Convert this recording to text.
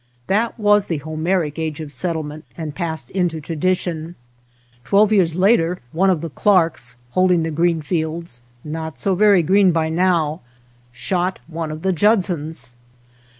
That was the Homeric age of settlement and passed into tradition. Twelve years later one of the Clarks, hold ing Greenfields, not so very green by now, shot one of the Judsons.